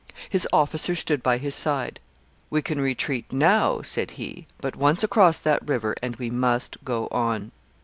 His officers stood by his side. "We can retreat now" said he, "but once across that river and we must go on."